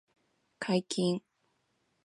解禁